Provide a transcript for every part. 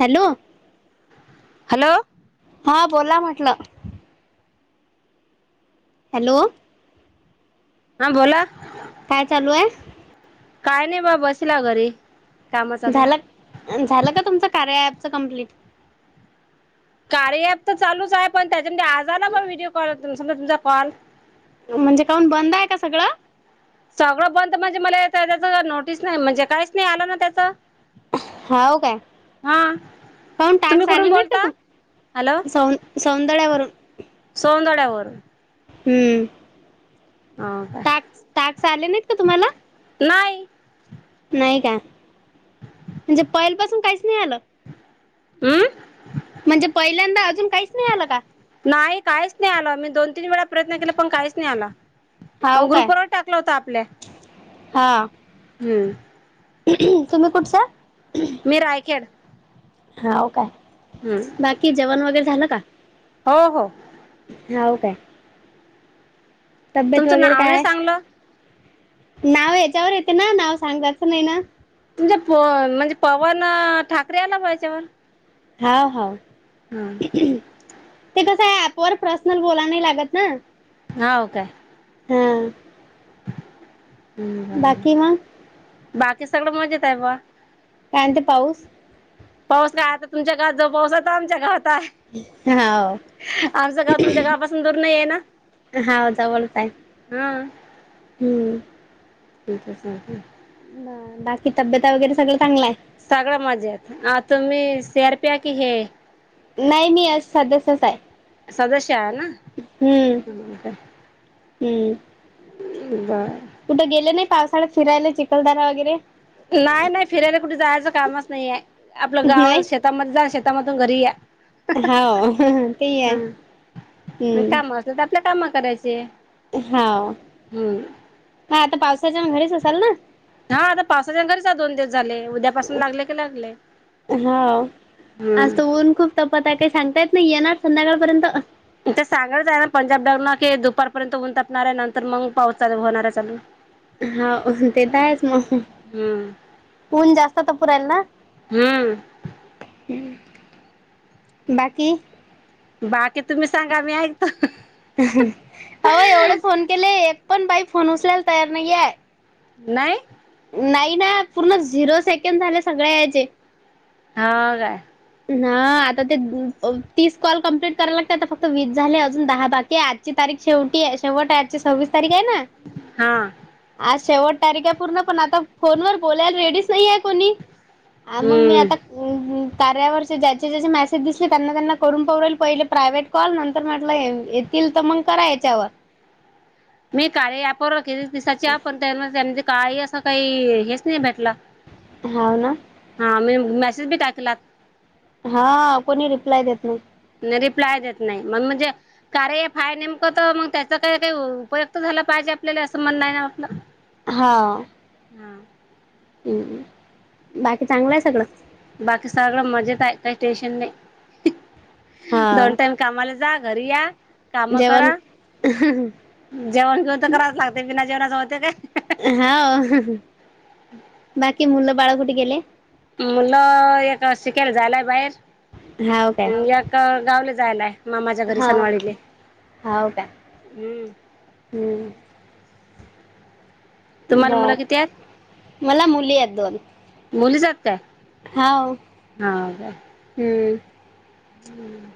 Hello! Hello! हा बोला म्हटलं. हॅलो! हा बोला. काय चालू आहे. काय नाही बा बसला घरी [inaudible] काम चालू झालं झालं का तुमचं कार्याच ॲपच कंप्लीट. कार्य ॲप तर चालू आहे पण त्यांच्यामध्ये आज ना पण व्हिडिओ कॉल समजा तुमचा कॉल म्हणजे काऊन बंद आहे का सगळं. सगळं बंद म्हणजे मला त्याच नोटीस नाही म्हणजे काहीच नाही आलं ना त्याचं. हाव काय, काउन तुम्ही टास्क कुठून आले नाही तर बोलता तू सौंदडेवर. सौंदडवड्यावर. हम्म हो का टास्क टास्क आले नाहीत का तुम्हाला? नाई नाई का म्हणजे पैल पासून काईच नी आलं. आं म्हणजे पहिल्यांदा अजून काईच नाई आलं का. नाही काहीच नाही आला मी दोन तीन वेळा प्रयत्न केला पण काहीच नाही आला. अ हाव काय ग्रुपवर टाकलं होता आपल्या, हा हम्म तुम्ही कुठचं? मी रायखेड. नाव काय. हम्म बाकी जेवण वगैरे झालं का? हो हो हो काय. तब्येत तुमचं वगैरे नाव नाही काय सांगलं नाव यांच्यावर येते न नाव सांगायचं नाई ना. तुमच्या प म्हणजे पवन ठाकरे आला ब्वा यांच्यावर हा ह ते कसंय ऍपवर प्रसनल बोलाव नाई लागत न हाव काय ह. हम् बा, बाकी मग बाकी सगळं मजेत आहे ब्वा. काय म्हंते पाऊस? पाऊस काय आता तुमच्या गवात जो पाऊसाय तो आमच्या गावाताय. हाव आमचं गाव तुमच्या गावापासून दूर नईये न. हाव जवलचाय हम्म. ठीके सगळं. ब बाकी तब्यता वगैरे सगळं चांगलाय. सगळ मजेत आ तुम्ही शेरप्या की हे नई मी सदस्यचाय. सदस्याय न. हम्म हम्म. अं बा. कुठं गेले नई पावसाळ्यात फिरायले चिखलदरा वगैरे. नाई नाई फिरायला कुठे जायचं कामच नईये आपलं गाव नाही शेतामध्ये जा शेतामधून घरी या. हाव हं-हं तेई या हम्म. त्यात आपल्या काम करायचे. हाव हम्म हा आता पावसाच्यान घरीच असाल ना. हा आता पावसाच्यान घरीच आ़ओ दोन दिवस् झाले, उद्या पाासून लागले की लागले हम्. त पता काई सांगता येत नई येणार संध्याकाळपर्यंत. ते सांगाचाय ना पंजाब डख म की दुपारपर्यंत ऊन तपणाराय नंतर मंग पावस चालु होणाराय असं- हाव हं तेेत आहेच मंग. हम्म. ऊन जास्त तपु रायेल न. हम्म. हं बाकी. बाकी तुम्ही सांगा मी ऐकतो. अहो एवढे फोन केले एक पण बाई फोन उचलायल तयार नाईये. नाई. नाई न पूर्ण झिरो सेकंद झाले सगळ्यायचे. हाव काय. ना आता ते तीस कॉल कमप्लीट करायल लागते आता फक्त वीस झाले अजून दहा बाकीेय आज् ची तारीख शेवटी आहे शेवट आजची सव्वीस तारीखाय ना. हा आज शेवट तारीखाय पूर्ण पण आता फोनवर बोलायल रेडीच नाईये कोणी- ह मंग मी हम्म आता कार्यावरचे ज्याचे ज्याचे मेसेज दिसले त्यांना त्यांना करून पाऊ राईली पईले प्रायवेट कॉल नंतर म्हटलं ये तील त मंग करा याच्यावर्- मी कार्य ऍपवर कीती दिसाच्या पण त्यान त्यांनी् काई असं काई हेच नी भेटलं- हाव न. हा मी मेसेज बी टाकला. हा कोणी रिप्लाय देत नई. नई रिप्लाय देत नाई मंग म्हजे कार्य ऍफाय नेमकं त मग त्याचा काय काय उ् उपयोग त झाला पायजे आपल्याले असं म्हणणाय ना आपलं- हा. हम. हम बाकी चांगलं आहे सगळं. बाकी सगळं मजेत आहे काही स्टेशन नाही हा दोन टाईम कामाला जा घरी या काम जेवण करा जेवण घेऊन तर करायच लागते, बिना जेवणाच होते काय. हा बाकी मूल बाळ कुठं गेले. मुलं एक शिकेला जायलाय बाहेर, हाव काय एक गावले जायलाय. मामाच्या घरी हा [inaudible] हाव काय हम्म हम तुम्हाला मुलं बर किती आहेत, मला मुली आहेत दोन मुली जात काय. हाव हम्म हम्म.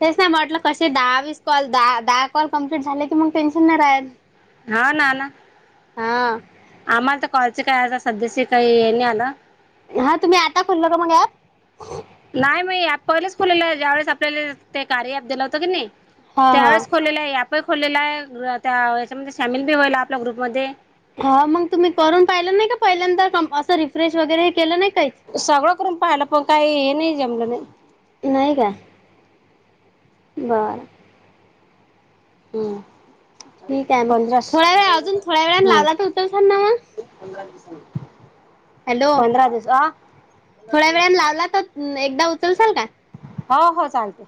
तेच नाही म्हटलं कसे दहावीस कॉल, दहा दहा कॉल कम्प्लीट झाले की मग टेन्शन नाही रहात. हा नाना हा आम्हाला तर कॉलचे काय आ सध्याचे काही हे नाही आलं. हा तुम्ही आता खुल का मग ऍप. नाही म पहिलेच खुलेलं ज्यावेेळेस आपल्याला ते कार्या अँप दिलं होतं की नाही. हा हा त्यावेळेस खोलेलं आहे, ॲपही खोलेला आहे त्या याच्यामध्ये सामील बी होईल आपल्या ग्रुपमध्ये. हा मग तुम्ही करून पाहिलं नाही का पहिल्यांतर असं रिफ्रेश वगैरे हे केलं नाही काहीच. सगळं करून पाहिला पण काही हे नाही जेमलं नाही. नाहीय का. [unintelligible] हम्म. ठीक आहे मग पंधरास थोड्या वेळ अजून थोड्या वेळान हम्म लावला तर उचलतान ना मग. [unintelligible] हॅलो पंधरा दिवस अ थोड्या वेळने लावला तर एकदा उचलसाल का? हो हो चालते.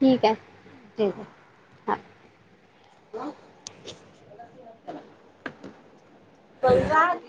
ठीक आहे. [unintelligible] हा [unintelligible] [unintelligible] [inaudible]